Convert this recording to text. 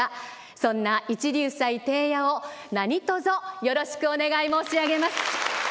そんな一龍斎貞弥を何とぞよろしくお願い申し上げます。